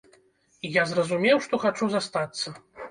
І я зразумеў, што хачу застацца.